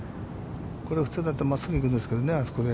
これ普通だと真っすぐ行くんですけどね、あそこで。